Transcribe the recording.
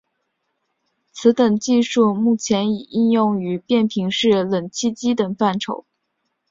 此等技术目前已应用于变频式冷气机等范畴。